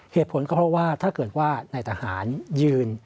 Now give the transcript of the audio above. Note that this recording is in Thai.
เหตุผลก็เพราะว่าถ้าเกิดว่านายทหารยืน